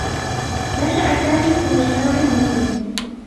نشأ سامي في مجتمع مسلم.